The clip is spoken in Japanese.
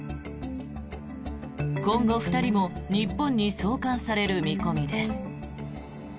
今後、２人も日本に送還される見込みです。